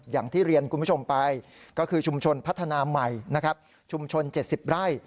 อย่างที่เรียนคุณผู้ชมไปก็คือชุมชนพัฒนาใหม่นะครับชุมชน๗๐ไร่